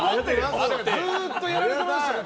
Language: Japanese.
ずっとやられてましたよね。